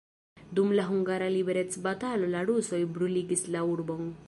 Dum la hungara liberecbatalo la rusoj bruligis la urbon.